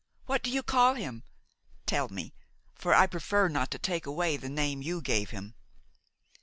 What do you call him? Tell me; for I prefer not to take away the name you gave him."